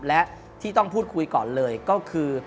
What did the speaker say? และที่ต้องพูดคุยก่อนเลยก็คือ